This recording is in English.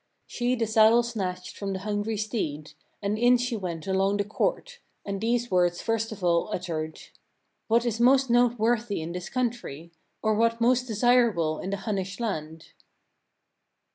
She the saddle snatched from the hungry steed, and in she went along the court, and these words first of all uttered: 4. "What is most noteworthy in this country? or what most desirable in the Hunnish land?"